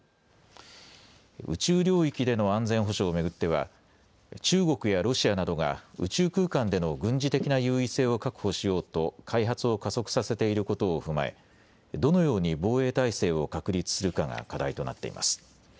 宇宙領域での安全保障を巡っては中国やロシアなどが宇宙空間での軍事的な優位性を確保しようと開発を加速させていることを踏まえどのように防衛体制を確立するかが課題となっています。